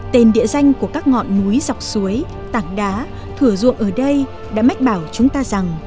tên địa danh của các ngọn núi dọc suối tảng đá thử ruộng ở đây đã mách bảo chúng ta rằng